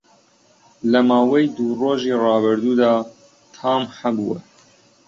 لە ماوەی دوو ڕۆژی ڕابردوودا تام هەبووه